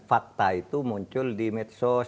fakta itu muncul di medsos